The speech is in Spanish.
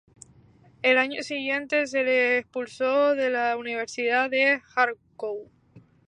Al año siguiente, se le expulsó de la Universidad de Járkov.